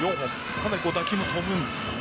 かなり打球も飛ぶんですよね。